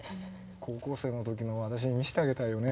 高校生の時の私に見せてあげたいよね